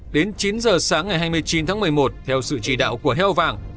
đến chín giờ sáng ngày hai mươi chín tháng một mươi một theo sự chỉ đạo của heo vàng